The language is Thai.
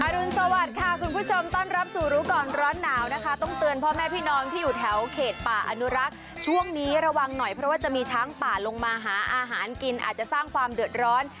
รุนสวัสดิ์ค่ะคุณผู้ชมต้อนรับสู่รู้ก่อนร้อนหนาวนะคะต้องเตือนพ่อแม่พี่น้องที่อยู่แถวเขตป่าอนุรักษ์ช่วงนี้ระวังหน่อยเพราะว่าจะมีช้างป่าลงมาหาอาหารกินอาจจะสร้างความเดือดร้อน